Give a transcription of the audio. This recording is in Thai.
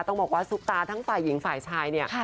ต้องบอกว่าซุปตาทั้งฝ่ายหญิงฝ่ายชายเนี่ย